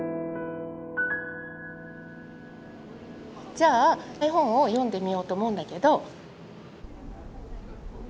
じゃあ絵本を読んでみようと思うんだけど。